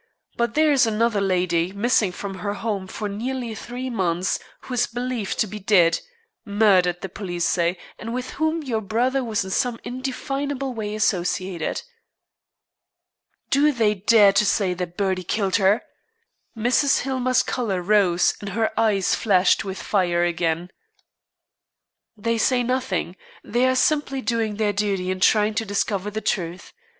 But there is another lady, missing from her home for nearly three months, who is believed to be dead murdered, the police say and with whom your brother was in some indefinable way associated." "Do they dare to say that Bertie killed her?" Mrs. Hillmer's color rose and her eyes flashed fire again. "They say nothing. They are simply doing their duty in trying to discover the truth.